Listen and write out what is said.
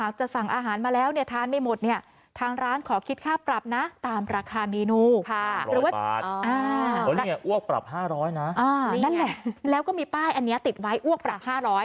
กลัวปรับ๕๐๐นะนั่นแหละแล้วก็มีป้ายอันนี้ติดไว้อ้วกปรับ๕๐๐